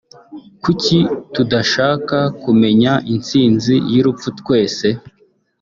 kuki tudashaka kumenya intsinzi y’urupfu twese